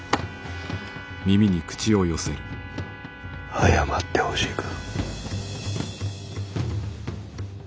謝ってほしいか？